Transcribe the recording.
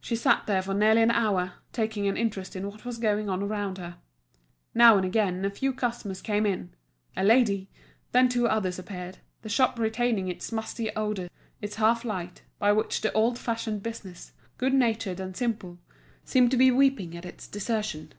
She sat there for nearly an hour, taking an interest in what was going on around her. Now and again a few customers came in; a lady, then two others appeared, the shop retaining its musty odour, its half light, by which the old fashioned business, good natured and simple, seemed to be weeping at its desertion.